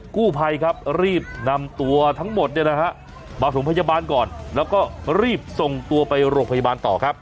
กู้ภัยครับรีบนำตัวทั้งหมดมาสมพยาบาลก่อนแล้วก็รีบส่งตัวไปโรงพยาบาลต่อครับ